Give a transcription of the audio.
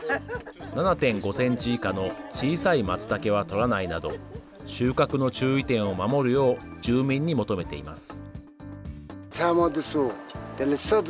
７．５センチ以下の小さいマツタケは採らないなど、収穫の注意点を守るよう住民に求めています。